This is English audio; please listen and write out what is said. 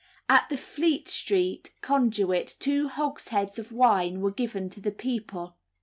At the Fleet Street conduit two hogsheads of wine were given to the people.